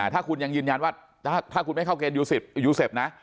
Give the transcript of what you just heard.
ถ้าคุณยังยืนยันว่าถ้าคุณไม่เข้าเกณฑยู๑๐ยูเซฟนะ